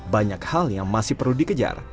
banyak hal yang masih perlu dikejar